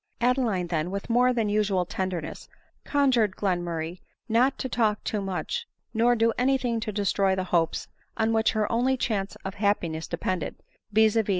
Adeline, then, with more than usual tenderness, con jured Glenmurray not to talk too much, nor do any thing to destroy the hopes on which her only chance of hap piness depended, viz.